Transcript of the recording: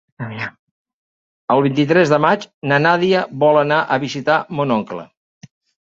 El vint-i-tres de maig na Nàdia vol anar a visitar mon oncle.